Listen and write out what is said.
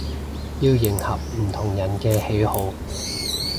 要迎合唔同人嘅喜好